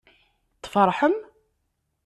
Tfeṛḥem?